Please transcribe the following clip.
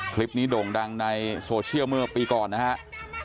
โด่งดังในโซเชียลเมื่อปีก่อนนะครับ